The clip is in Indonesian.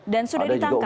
dan sudah ditangkap pak